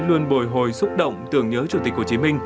luôn bồi hồi xúc động tưởng nhớ chủ tịch hồ chí minh